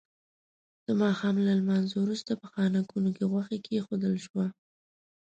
د ماښام له لمانځه وروسته په خانکونو کې غوښه کېښودل شوه.